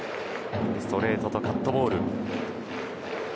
ストレートとカットボール。